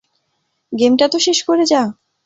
গেমটা তো শেষ করে যা।